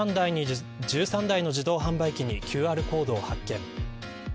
短時間で１３台の自動販売機にＱＲコードを発見。